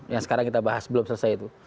yang sekarang kita bahas belum selesai itu